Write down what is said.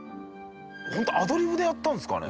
ホントアドリブでやったんですかね？